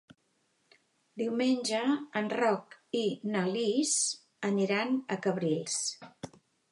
Diumenge en Roc i na Lis aniran a Cabrils.